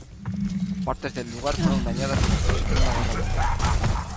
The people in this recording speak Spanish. Partes del lugar fueron dañadas durante la Segunda Guerra Mundial.